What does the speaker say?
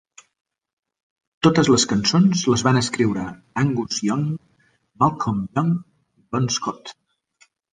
Totes les cançons les van escriure Angus Young, Malcolm Young i Bon Scott.